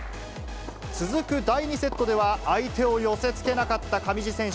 続く第２セットでは、相手を寄せつけなかった上地選手。